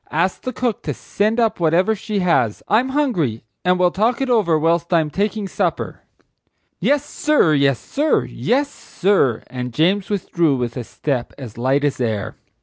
—Ask the cook to send up whatever she has; I'm hungry, and we'll talk it over whilst I'm taking supper." "Yes, sir; yes, sir; yes, sir;" and James withdrew with a step as light as air.